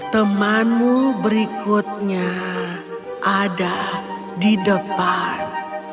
temanmu berikutnya ada di depan